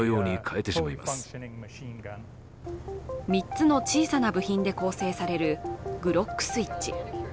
３つの小さな部品で構成されるグロックスイッチ。